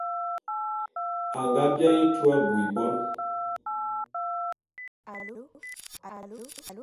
A nga biaé etua abui bon.